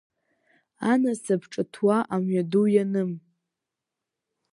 Анасыԥ ҿыҭуа амҩаду ианым.